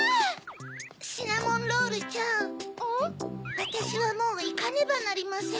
わたしはもういかねばなりません。